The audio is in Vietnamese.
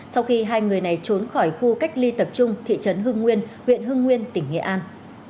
sau khi hai người này trốn khỏi khu cách ly tập trung thị trấn hưng nguyên huyện hưng nguyên tỉnh nghệ an